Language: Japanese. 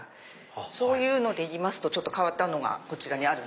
そういうのでいいますと変わったのがこちらにある。